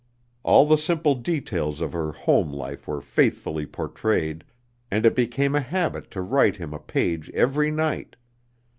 All the simple details of her home life were faithfully portrayed, and it became a habit to write him a page every night.